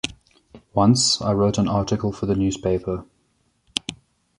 Once, I wrote an article for the newspaper.